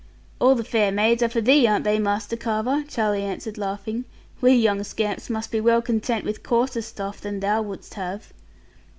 'All the fair maids are for thee, are they, Master Carver?' Charlie answered, laughing; 'we young scamps must be well content with coarser stuff than thou wouldst have.'